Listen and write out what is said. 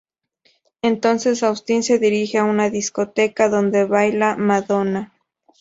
Entonces Austin se dirige a una discoteca donde baila Madonna.